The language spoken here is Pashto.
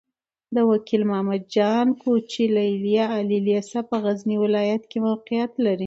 د وکيل محمد جان کوچي ليليه عالي لېسه په غزني ولايت کې موقعيت لري.